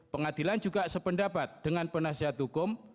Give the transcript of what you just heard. pengadilan juga sependapat dengan penasihat hukum